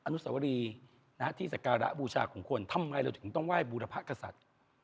อนุสวรีที่สการะบูชาของคนทำไมเราถึงต้องไหว้บูรพกษัตริย์